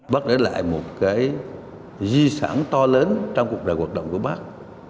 bác để lại một cái di sản to lớn trong cuộc đời hoạt động của bác